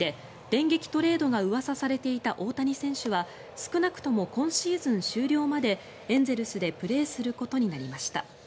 電撃トレードがうわさされていた大谷選手は少なくとも今シーズン終了までエンゼルスでプレーすることになりました。